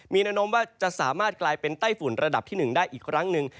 มีแนวโน้มว่าจะสามารถกลายเป็นไต้ฝุ่นระดับที่๑ได้อีกครั้งหนึ่ง